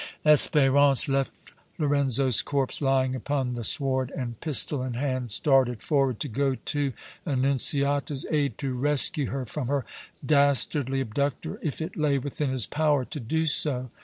Espérance left Lorenzo's corpse lying upon the sward, and, pistol in hand, started forward to go to Annunziata's aid, to rescue her from her dastardly abductor, if it lay within his power to do so.